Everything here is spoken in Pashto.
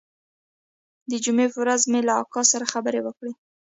د جمعې پر ورځ مې له اکا سره خبرې وکړې.